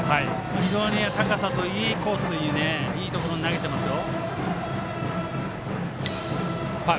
非常に高さといい、コースといいいいところに投げてますよ。